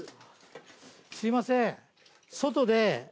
すいません。